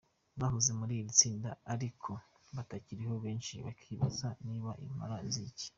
bahoze muri iri tsinda ariko batacyiriho, benshi bakibaza niba impala ziki.